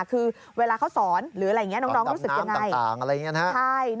คือเวลาเขาสอนหรืออะไรอย่างนี้น้องรู้สึกยังไง